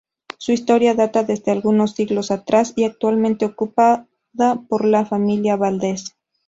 Su historia data desde algunos siglos atrás y actualmente ocupada por la familia Valdes.